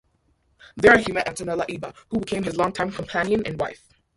There he met Antonella Ibba, who became his longtime companion and wife.